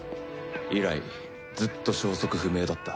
以来ずっと消息不明だった。